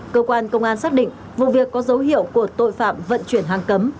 cơ quan công an xác định vụ việc có dấu hiệu của tội phạm vận chuyển hàng cấm